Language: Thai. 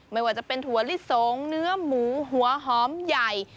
ไม่ว่าจะเป็นถั่วลิสงเนื้อหมูหัวหอมใหญ่